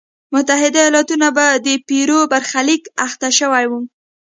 متحده ایالتونه به د پیرو برخلیک اخته شوی وای.